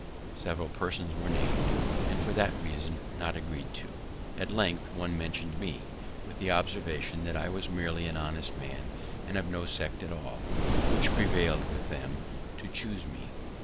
Several persons were named, and for that reason not agreed to. At length one mention'd me, with the observation that I was merely an honest man, and of no sect at all, which prevailed with them to chuse me.